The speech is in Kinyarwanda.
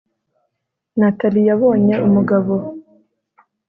natalie yabonye umugabo